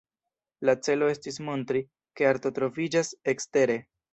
La celo estis montri ke arto troviĝas ekstere!